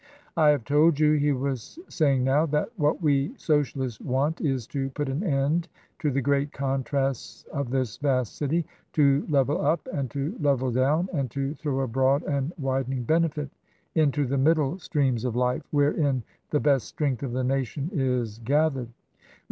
" I have told you," he was saying now, " that what we Socialists want is to put an end to the great contrasts of this vast city — ^to level up and to level down, and to throw a broad and widening benefit into the middle streams of life, wherein the best strength of the nation is gathered.